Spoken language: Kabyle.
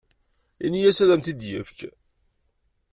Ini-as ad am-t-id-yefk.